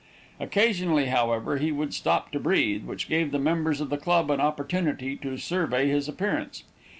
Occasionally, however, he would stop to breathe, which gave the members of the club an opportunity to survey his appearance.